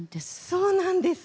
そうなんです。